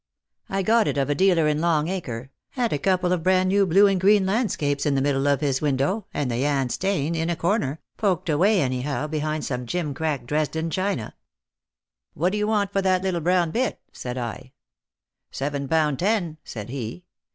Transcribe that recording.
I got it of a dealer in Long acre; had a couple of brand new blue and green land scapes in the middle of his window, and the Jan Steen in a corner, poked away anyhow behind some gimcrack Dresden china. " What do you want for that little brown bit P " said I. " Seven pound ten," said he.